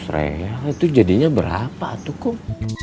lima ratus real itu jadinya berapa tuh akum